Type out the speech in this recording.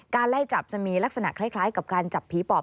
ไล่จับจะมีลักษณะคล้ายกับการจับผีปอบ